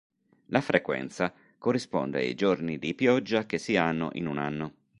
La "frequenza" corrisponde ai giorni di pioggia che si hanno in un anno.